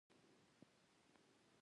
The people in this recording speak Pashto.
کوتره ډېر ځله پر بامونو لیدل کېږي.